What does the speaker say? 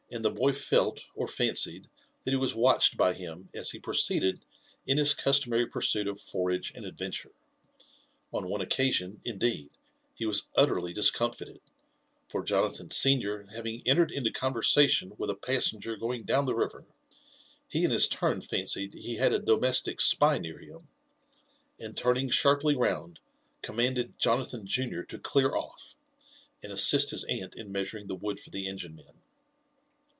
the boy felt or fancied that he was watched by him as he proceeded in his customary pursuit of forage and adventure. On one occatioiit indeed, he was utterly discomfited; for Jonathan senior having entered into conversation with a passenger going down the river, he in his turn fancied he had a domestic spy near him, and, turning sharply JONATHAN JEFFERSON WHITLAW. 19 round, eoinmanded Jonathan junior to clear ofT, and assist his aunt in measuring the wood for the engine men.